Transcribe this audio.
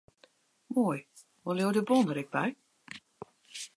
Moai, wolle jo de bon ek mei?